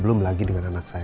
belum lagi dengan anak saya